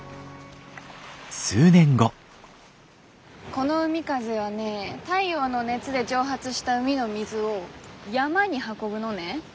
この海風はね太陽の熱で蒸発した海の水を山に運ぶのね。